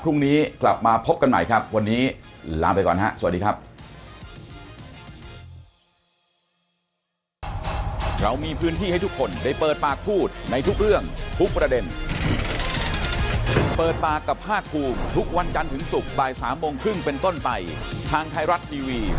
พรุ่งนี้กลับมาพบกันใหม่ครับวันนี้ลาไปก่อนฮะสวัสดีครับ